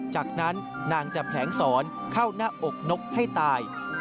จากนั้นนางจะแผลงสอนเข้าหน้าอกนกให้ตาย